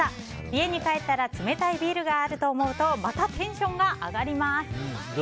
家に帰ったら冷たいビールがあると思うとまたテンションが上がります。